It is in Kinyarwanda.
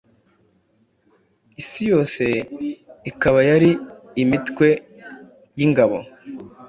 iyi yose ikaba yari imitwe y’ingabo